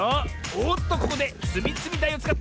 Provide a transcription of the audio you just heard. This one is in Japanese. おっとここでつみつみだいをつかった！